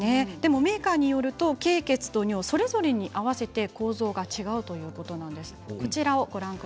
メーカーによると経血と尿、それぞれに合わせて構造が違うということなんです。